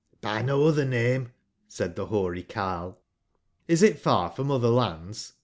''By no otber name/' said tbc boary carle. ''Is it far from otber lands